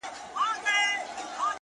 • د جهاني دغه غزل دي له نامه ښکلې ده,